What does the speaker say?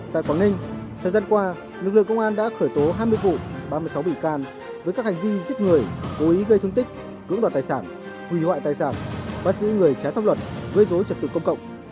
tại quảng ninh thời gian qua lực lượng công an đã khởi tố hai mươi vụ ba mươi sáu bị can với các hành vi giết người cố ý gây thương tích cưỡng đoạt tài sản hủy hoại tài sản bắt giữ người trái pháp luật gây dối trật tự công cộng